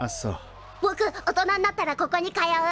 ぼく大人んなったらここに通う。